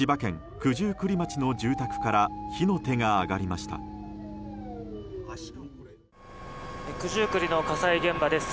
九十九里の火災現場です。